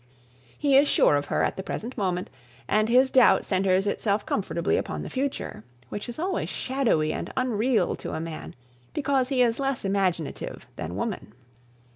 He is sure of her at the present moment and his doubt centres itself comfortably upon the future, which is always shadowy and unreal to a man, because he is less imaginative than woman.